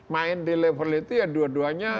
main di level itu ya dua duanya